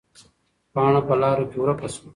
پاڼه په لارو کې ورکه شوه.